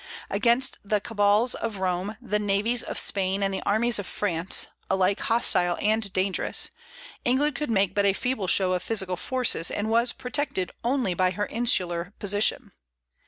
Against the cabals of Rome, the navies of Spain, and the armies of France, alike hostile and dangerous, England could make but a feeble show of physical forces, and was protected only by her insular position.